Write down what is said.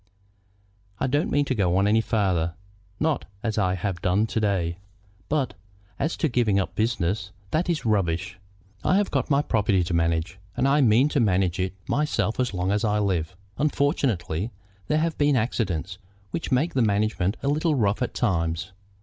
"I don't mean to go on any farther, not as I have done to day; but as to giving up business, that is rubbish. I have got my property to manage, and I mean to manage it myself as long as I live. Unfortunately, there have been accidents which make the management a little rough at times.